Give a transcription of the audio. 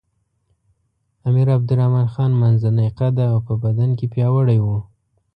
امیر عبدالرحمن خان منځنی قده او په بدن کې پیاوړی وو.